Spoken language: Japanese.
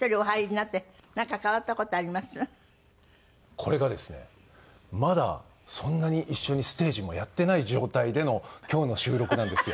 これがですねまだそんなに一緒にステージもやってない状態での今日の収録なんですよ。